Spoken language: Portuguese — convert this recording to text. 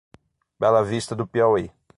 Bela Vista do Piauí